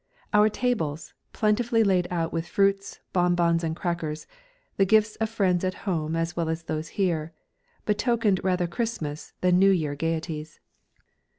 Our tables, plentifully laid out with fruits, bonbons and crackers, the gifts of friends at home as well as those here, betokened rather Christmas than New Year gaieties.